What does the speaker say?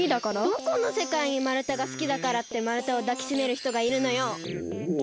どこのせかいにまるたがすきだからってまるたをだきしめるひとがいるのよ！